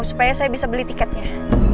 supaya saya bisa beli tiketnya